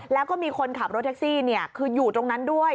แล้วก็มีคนขับรถแท็กซี่คืออยู่ตรงนั้นด้วย